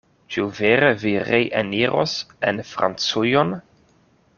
Ĉu vere vi reeniros en Francujon?